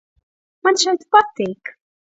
Man šeit patīk!